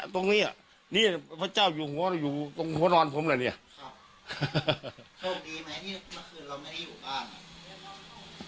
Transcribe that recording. โชคดีไหมนี่เมื่อคืนเราไม่ได้อยู่บ้าน